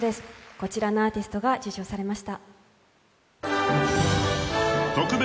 こちらのアーティストが受賞されました。